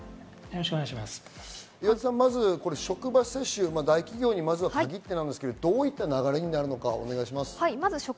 職場接種、大企業に限ってなんですが、どういった流れになるのかお願いします。